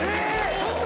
⁉ちょっと！